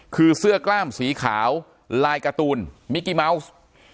คือเสื้อกล้ามสีขาวลายการ์ตูนมิกิเมาส์